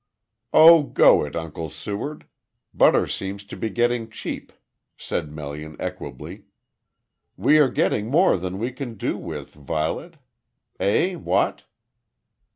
"Oh, go it, Uncle Seward. Butter seems to be getting cheap," said Melian, equably. "We are getting more than we can do with, Violet. Eh what?"